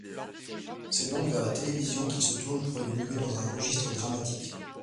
C'est donc vers la télévision qu'il se tourne pour évoluer dans un registre dramatique.